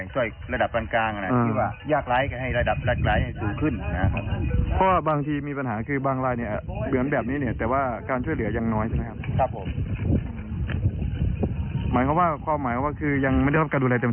จริงแต่ได้รับการช่วยเหลือน้อยไม่ได้มีไหมครับในพื้นที่เรา